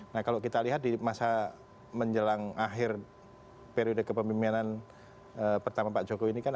nah kalau kita lihat di masa menjelang akhir periode kepemimpinan pertama pak jokowi ini kan